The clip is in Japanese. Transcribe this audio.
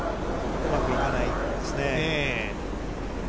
うまくいかないですね。